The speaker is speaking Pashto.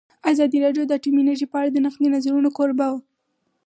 ازادي راډیو د اټومي انرژي په اړه د نقدي نظرونو کوربه وه.